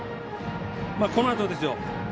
このあとですよ。